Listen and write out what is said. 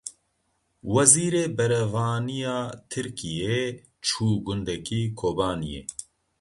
Wezîrê Berevaniya Tirkiyê çû gundekî Kobaniyê.